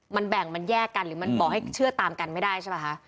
มันแบ่งมันแยกกันหรือมันบอกให้เชื่อตามกันไม่ได้ใช่ป่ะคะ